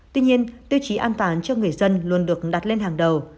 tuy nhiên tiêu chí an toàn cho người dân luôn được đặt lên hàng đầu